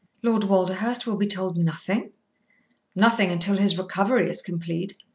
"Lord Walderhurst will be told nothing?" "Nothing until his recovery is complete.